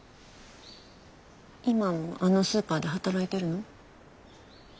今もあのスーパーで働いてるの？